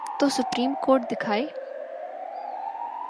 تو supreme court دکھائے۔